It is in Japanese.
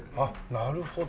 なるほど。